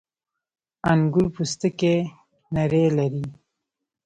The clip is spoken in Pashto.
• انګور پوستکی نری لري.